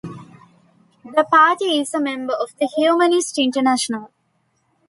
The party is a member of the Humanist International.